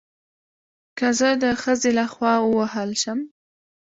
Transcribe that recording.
که زه د خځې له خوا ووهل شم